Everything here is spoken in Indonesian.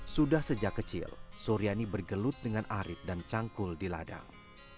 sudah sejak kecil suryani bergelut dengan arit dan cangkul di ladang